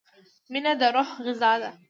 • مینه د روح غذا ده.